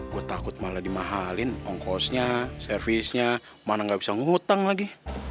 gue takut malah dimahalin ongkosnya servisnya mana nggak bisa ngutang lagi